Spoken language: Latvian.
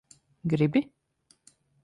Gribi?